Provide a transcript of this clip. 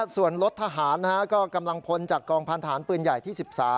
ส่วนรถทหารก็กำลังพลจากกองพันธารปืนใหญ่ที่๑๓